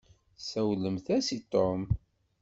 Tsawlemt-as i Tom.